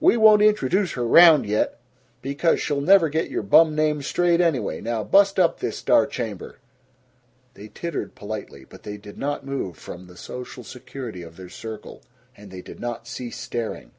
We won't introduce her round yet, because she'll never get your bum names straight anyway. Now bust up this star chamber!" They tittered politely, but they did not move from the social security of their circle, and they did not cease staring.